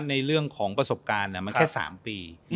ในเรื่องของประสบการณ์มันแค่๓ปี